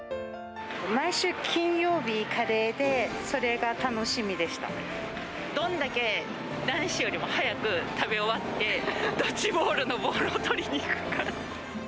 毎週金曜日、カレーで、どんだけ男子よりも早く食べ終わって、ドッジボールのボールを取りにいくか。